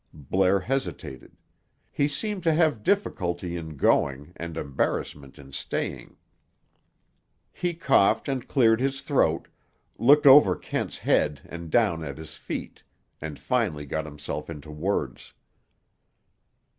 Blair hesitated. He seemed to have difficulty in going and embarrassment in staying. He coughed and cleared his throat, looked over Kent's head and down at his feet; and finally got himself into words.